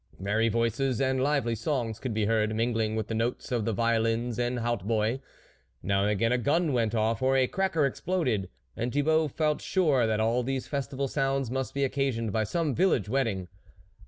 Merry voices and lively songs could be heard mingling with the notes of the violins and hautboy ; now and again a gun went off, or a cracker exploded ; and Thibault felt sure that all these festive sounds must be occasioned by some village wedding.